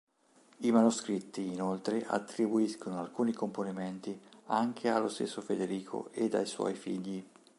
I manoscritti, inoltre, attribuiscono alcuni componimenti anche allo stesso Federico ed ai suoi figli.